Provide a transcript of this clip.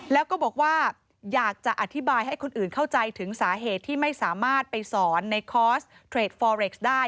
แล้วก็บอกว่าอยากจะอธิบายให้คนอื่นเข้าใจถึงสาเหตุที่ไม่สามารถไปสอนในคอร์สเทรดฟอเร็กซ์ได้